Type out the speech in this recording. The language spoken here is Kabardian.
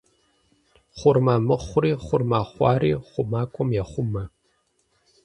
Хъурмэ мыхъури, хъурмэ хъуари хъумакӏуэм ехъумэ.